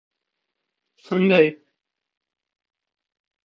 په پټه زده کړه هم لوی بدلون راولي.